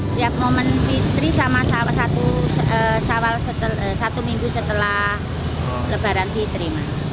setiap momen fitri sama satu minggu setelah lebaran fitri